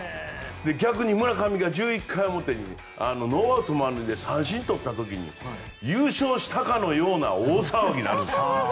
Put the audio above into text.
逆に村上が１１回表にノーアウト満塁で三振を取った時に優勝したかのような大騒ぎになるんです。